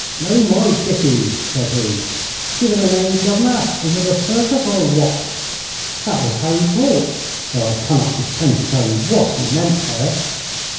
'Blow my dickey,' said he, 'give it a name, guv'nor! Is it a circus, or what?' That was how he talked, though I cannot pretend to tell you what he meant by it.